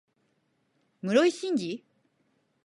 室井慎次